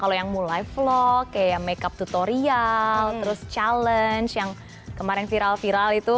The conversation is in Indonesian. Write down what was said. kalau yang mulai vlog kayak makeup tutorial terus challenge yang kemarin viral viral itu